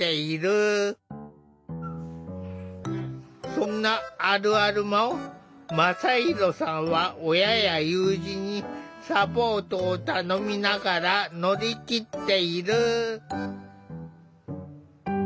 そんなあるあるも真大さんは親や友人にサポートを頼みながら乗り切っている。